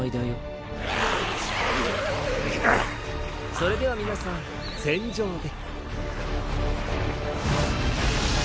それでは皆さん戦場で。